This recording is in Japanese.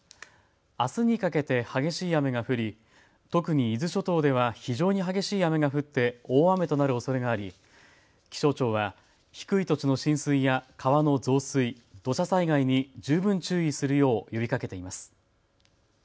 あすにかけて激しい雨が降り特に伊豆諸島では非常に激しい雨が降って大雨となるおそれがあり気象庁は低い土地の浸水や川の増水、土砂災害に十分注意するよう呼びかけています。